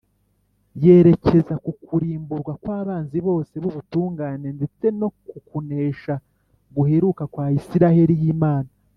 yerekeza ku kurimburwa kw’abanzi bose b’ubutungane ndetse no ku kunesha guheruka kwa isiraheli y’imana.